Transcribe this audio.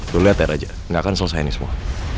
lo lihat ya raja nggak akan selesainya semua